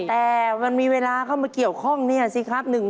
แต่มันมีเวลาเข้ามาเกี่ยวข้องเนี่ยสิครับ